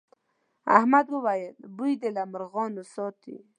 احمد وويل: بوی دې له مرغانو ساتي.